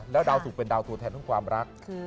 แล้วดาวสุกเป็นดาวตัวแทนของความรัก